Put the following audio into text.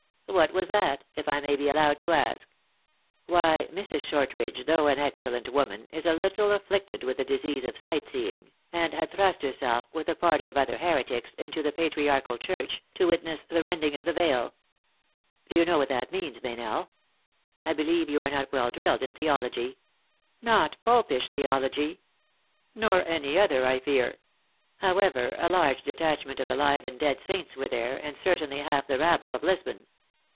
" What was that ? if I may be allowed to ask." "Why, Mrs. Shortridge, though an excellent woman, is a little afflicted with the disease of sight seeing, and had thrust herself, with a party of other heretics, into the Patriarchal Church, to witness the rending of the THE ACTRESS IN HIGH LIFE. 63 veil. Do you know what that means, Meynell? I believe you are not well drilled in theology." " Not popish theology." " Nor any other, I fear. However, a large detach ment of the live and dead saints were there, and, cer tainly, .half the rabble of Lisbon.